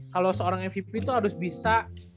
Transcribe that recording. kalau seorang mvp itu harus bisa